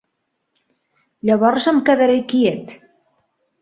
Llavors em quedaré quiet.